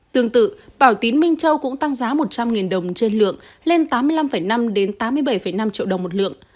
tương tự bảo tín minh châu cũng tăng giá một trăm linh đồng trên lượng lên tám mươi năm năm tám mươi bảy năm triệu đồng một lượng